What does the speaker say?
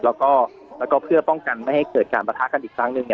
แล้วก็เพื่อป้องกันไม่ให้เกิดการประทะกันอีกครั้งหนึ่ง